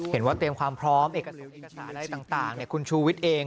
เห็นว่าเตรียมความพร้อมเอกสารอะไรต่างคุณชูวิทย์เอง